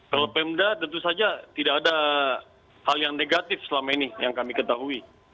kalau pemda tentu saja tidak ada hal yang negatif selama ini yang kami ketahui